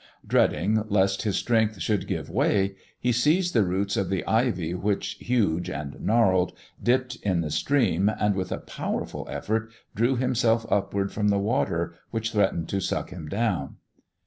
Dreading lest his strength should give way, he seized the roots of the ivy which, huge and gnarled, dipped in the stream, and with a powerful effort drew himself upward from the water which threatened to suck him down.